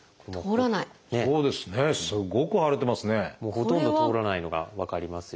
ほとんど通らないのが分かりますよね。